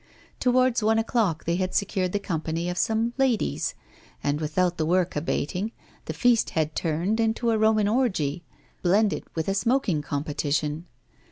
Towards one o'clock they had secured the company of some 'ladies'; and, without the work abating, the feast had turned into a Roman orgy, blended with a smoking competition.